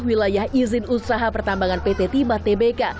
wilayah izin usaha pertambangan pt timah tbk